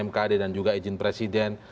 mkd dan juga izin presiden